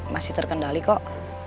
masih terkendali kok